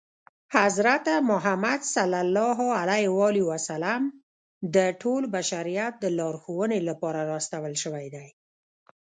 حضرت محمد ص د ټول بشریت د لارښودنې لپاره را استول شوی دی.